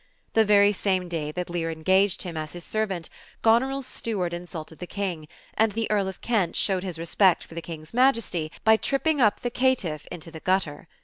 The very same day that Lear engaged him as his servant, Goneril's steward insulted the King, and the Earl of Kent showed his respect for the King's Majesty by tripping up the caitiff into the gutter.